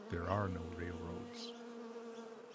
There are no railroads.